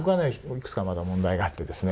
いくつかまだ問題があってですね